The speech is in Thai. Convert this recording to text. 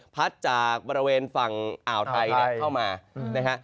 พัดจากบริเวณฝั่งอ่าวไทยเข้ามานะฮะ